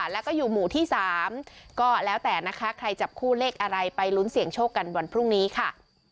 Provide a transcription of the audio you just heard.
แล้วก็อยู่หมู่ที่๓ก็แล้วแต่นะคะใครจับคู่เลขอะไรไปลุ้นเสี่ยงโชคกันวันพรุ่งนี้ค่ะ